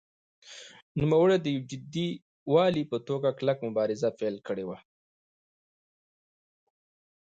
نوموړي د یو جدي والي په توګه کلکه مبارزه پیل کړې وه.